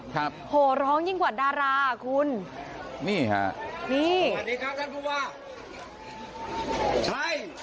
ครับโอ้โหร้องยิ่งกว่าดาราคุณนี่ค่ะนี่สวัสดีครับท่านผู้ว่า